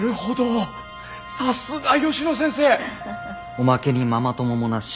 おまけにママ友もなし。